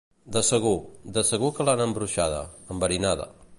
De segur, de segur que l’han embruixada, enverinada.